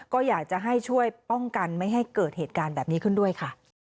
ก็อยากจะให้ช่วยป้องกันไม่ให้เกิดเหตุการณ์แบบนี้ขึ้นด้วยค่ะ